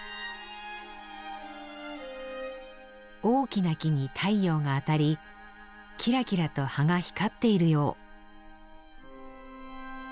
大きな木に太陽が当たりきらきらと葉が光っているよう。